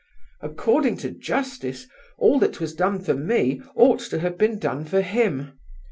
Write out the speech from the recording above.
According to justice, all that was done for me ought to have been done for him.